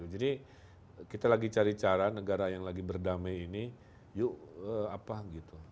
jadi kita lagi cari cara negara yang lagi berdamai ini yuk apa gitu